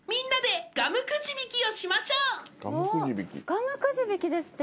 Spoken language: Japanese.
ガムくじ引きですって。